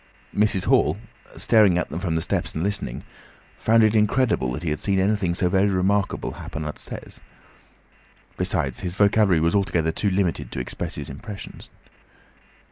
Mr. Hall, staring at them from the steps and listening, found it incredible that he had seen anything so very remarkable happen upstairs. Besides, his vocabulary was altogether too limited to express his impressions.